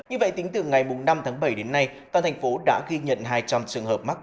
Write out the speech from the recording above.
như vậy tính từ ngày năm tháng bảy đến nay toàn thành phố đã ghi nhận hai trăm linh trường hợp mắc